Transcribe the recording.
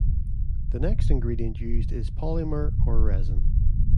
The next ingredient used is polymer or resin.